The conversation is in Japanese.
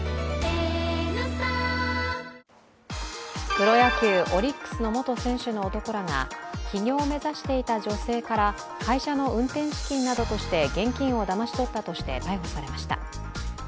プロ野球、オリックスの元選手の男らが起業を目指していた女性から会社の運転資金などとして現金をだまし取ったとして逮捕されました。